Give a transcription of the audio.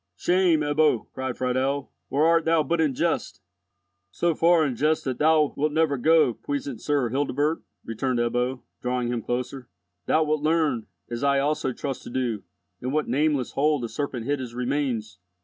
"Shame, Ebbo!" cried Friedel, "or art thou but in jest?" "So far in jest that thou wilt never go, puissant Sir Hildebert," returned Ebbo, drawing him closer. "Thou wilt learn—as I also trust to do—in what nameless hole the serpent hid his remains.